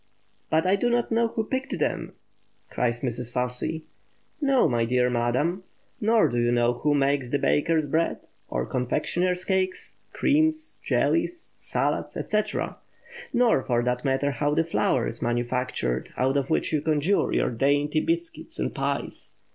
"But I don't know who picked them!" cries Mrs. Fussy. No, my dear madam! nor do you know who makes the baker's bread, or confectioner's cakes, creams, jellies, salads, etc. Nor, for that matter, how the flour is manufactured out of which you conjure your dainty biscuit and pies.